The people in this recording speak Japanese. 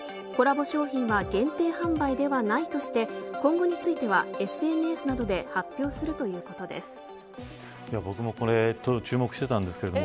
コラボ商品は限定販売ではないとして今後については、ＳＮＳなどで発表するということです。